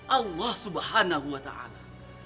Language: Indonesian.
allah subhanahu wa ta'ala